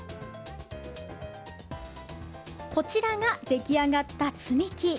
こちらが、出来上がった積み木。